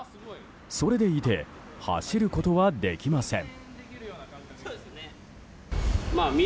それでいて走ることはできません。